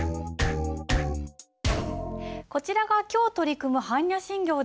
こちらが今日取り組む般若心経です。